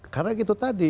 karena gitu tadi